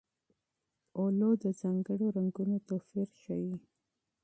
اولو د ځانګړو رنګونو توپیر ښيي.